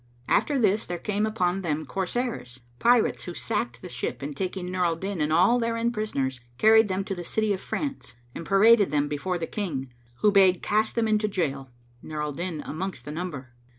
After this, there came out upon them corsairs,[FN#511] pirates who sacked the ship and taking Nur al Din and all therein prisoners, carried them to the city of France and paraded them before the King, who bade cast them into jail, Nur al Din amongst the number.